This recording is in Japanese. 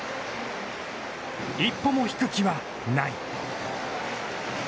一歩も引く気はない。